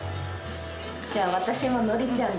じゃあ私も典ちゃんで。